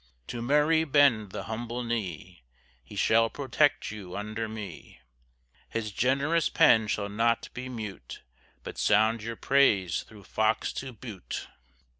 To Murray bend the humble knee; He shall protect you under me; His generous pen shall not be mute, But sound your praise thro' Fox to Bute.